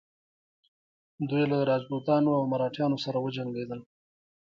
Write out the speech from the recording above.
دوی له راجپوتانو او مراتیانو سره وجنګیدل.